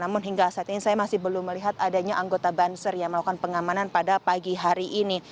namun hingga saat ini saya masih belum melihat adanya anggota banser yang melakukan pengamanan pada pagi hari ini